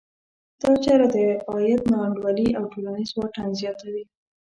دا چاره د عاید نا انډولي او ټولنیز واټن زیاتوي.